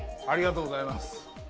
ありがとうございます。